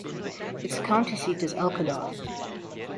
Its county seat is Elkader.